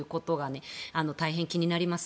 大変気になります。